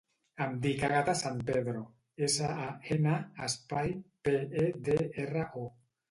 Em dic Àgata San Pedro: essa, a, ena, espai, pe, e, de, erra, o.